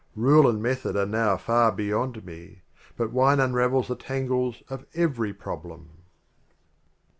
Rule and Method are now far be yond me, But Wine unravels the Tangles of every Problem.